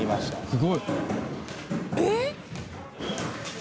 「すごい」「ええっ？」